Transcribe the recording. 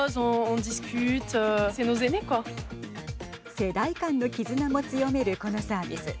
世代間の絆も強めるこのサービス。